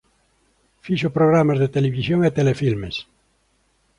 Fixo programas de televisión e telefilmes.